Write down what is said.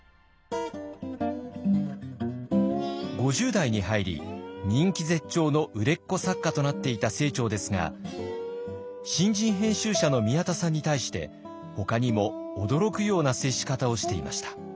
５０代に入り人気絶頂の売れっ子作家となっていた清張ですが新人編集者の宮田さんに対してほかにも驚くような接し方をしていました。